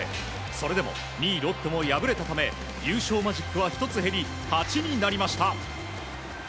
それでも２位、ロッテも敗れたため優勝マジックは１つ減り８になりました。